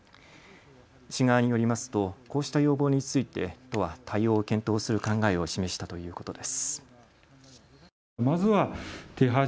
市側によりますとこうした要望について都は対応を検討する考えを示したということです。